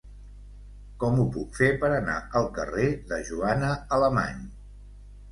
Com ho puc fer per anar al carrer de Joana Alemany?